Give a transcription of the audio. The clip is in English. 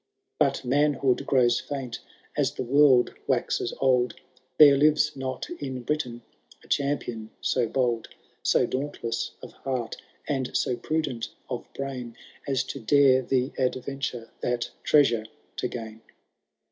But manhood grows famt as the world waxes old ; There lives not in Britain a champion so bold. So dauntless of heart, and so prudent of brain. As to dare the adventure that treasure to gain.